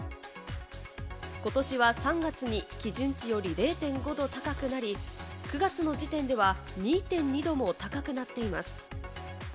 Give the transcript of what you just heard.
ことしは３月に基準値より０．５度高くなり、９月の時点では２．２度も高くなっています。